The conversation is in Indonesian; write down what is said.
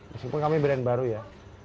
meskipun kami brand baru ya